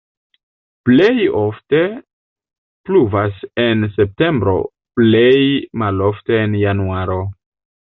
Plej ofte pluvas en septembro, plej malofte en januaro.